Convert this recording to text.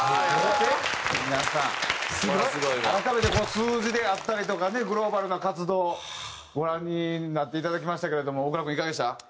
皆さん改めてこの数字であったりとかねグローバルな活動ご覧になっていただきましたけれども大倉君いかがでした？